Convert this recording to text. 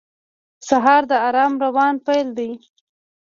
سهار د آرام روان پیل دی.